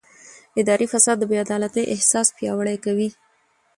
اداري فساد د بې عدالتۍ احساس پیاوړی کوي